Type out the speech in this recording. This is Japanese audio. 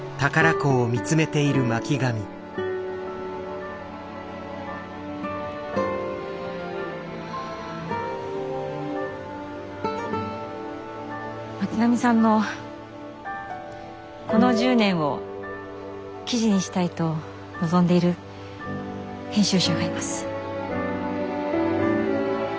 巻上さんのこの１０年を記事にしたいと望んでいる編集者がいます。